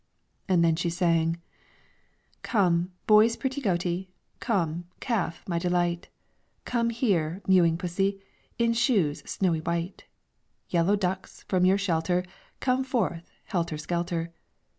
And then she sang, "Come, boy's pretty goatie, Come, calf, my delight, Come here, mewing pussie, In shoes snowy white, Yellow ducks, from your shelter, Come forth, helter skelter.